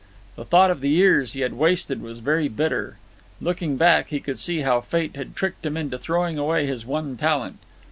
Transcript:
The thought of the years he had wasted was very bitter. Looking back, he could see how fate had tricked him into throwing away his one talent.